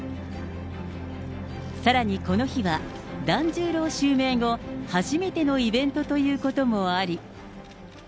さらに、この日は、團十郎襲名後、初めてのイベントということもあり。